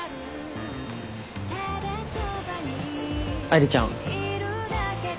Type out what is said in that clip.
愛梨ちゃん。